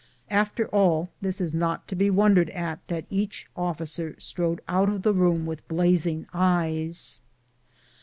After all this, it is not to be wondered at that each officer strode out of the room with blazing eyes.